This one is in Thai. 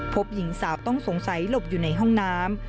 พบหญิงสาวต้องสงสัยหลบอยู่ในห้องน้ำ